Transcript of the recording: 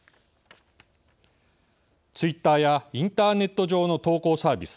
ツイッターやインターネット上の投稿サービス